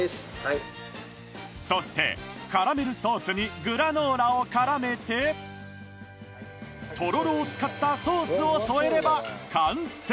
そしてカラメルソースにグラノーラを絡めてとろろを使ったソースを添えれば完成